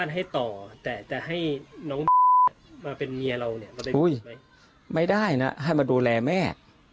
เหมือนกับชาวบ้านเขา